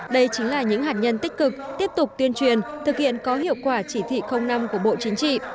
đây chính là những hạt nhân tích cực tiếp tục tuyên truyền thực hiện có hiệu quả chỉ thị năm của bộ chính trị